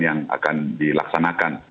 yang akan dilaksanakan